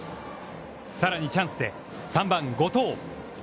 さらにチャンスで３番後藤。